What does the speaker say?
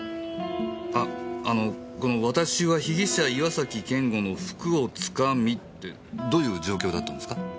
ああのこの「私は被疑者岩崎健吾の服をつかみ」ってどういう状況だったんですか？